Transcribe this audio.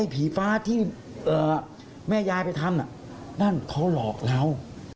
ผีฟ้าที่แม่ยายไปทำนั่นเขาหลอกเรา